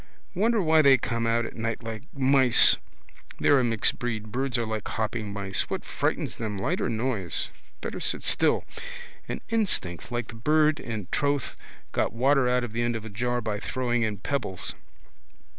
Wonder why they come out at night like mice. They're a mixed breed. Birds are like hopping mice. What frightens them, light or noise? Better sit still. All instinct like the bird in drouth got water out of the end of a jar by throwing in pebbles.